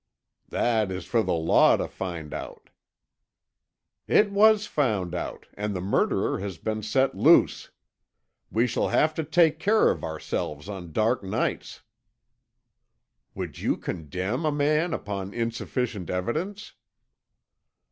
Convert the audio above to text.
"That is for the law to find out." "It was found out, and the murderer has been set loose. We shall have to take care of ourselves on dark nights." "Would you condemn a man upon insufficient evidence?"